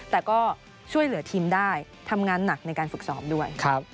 แต่ก็ช่วยเหลือทีมได้ทำงานหนักในการฝึกซ้อมด้วย